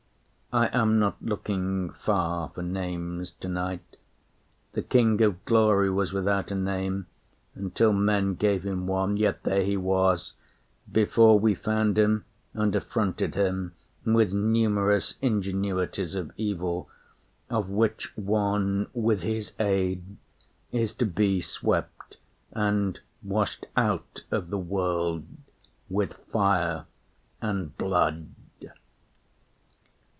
I am not looking far for names tonight. The King of Glory was without a name Until men gave him one; yet there He was, Before we found Him and affronted Him With numerous ingenuities of evil, Of which one, with His aid, is to be swept And washed out of the world with fire and blood.